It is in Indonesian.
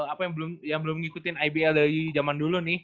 apa yang belum ngikutin ibl dari zaman dulu nih